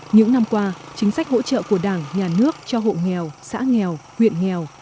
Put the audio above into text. những năm qua chính sách hỗ trợ của đảng nhà nước cho hộ nghèo xã nghèo huyện nghèo